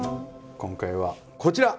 今回はこちら！